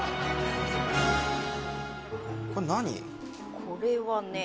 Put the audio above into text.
これはね。